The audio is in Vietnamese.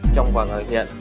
trong và ngồi hiện